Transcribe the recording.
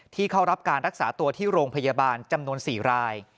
เข้ารับการรักษาตัวที่โรงพยาบาลจำนวน๔ราย